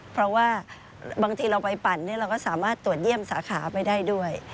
เพราะว่าบางทีเราไปปั่นเราก็สามารถตรวจเยี่ยมสาขาไปได้ด้วย